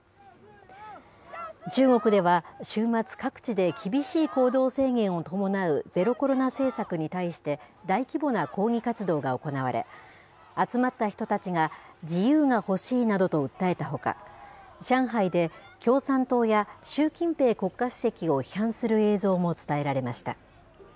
中国では、週末、各地で厳しい行動制限を伴うゼロコロナ政策に対して、大規模な抗議活動が行われ、集まった人たちが、自由が欲しいなどと訴えたほか、上海で共産党や習近平国家主席を批判する映像も伝えられました。